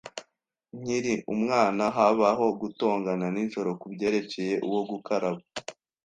Nkiri umwana, habaho gutongana nijoro kubyerekeye uwo gukaraba.